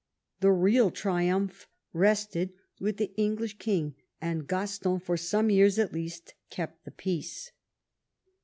The real triumph rested with the English king, and Gaston, for some years at least, kept the peace.